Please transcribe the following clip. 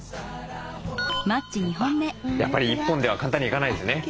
やっぱり１本では簡単にはいかないですね。